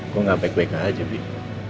gue gak back back aja bib